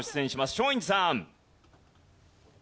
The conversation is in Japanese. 松陰寺さん。